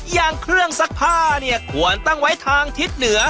อย่างเครื่องซักผ้าเนี่ยควรตั้งไว้ทางทิศเหนือ